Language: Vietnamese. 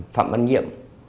phạm văn nhiệm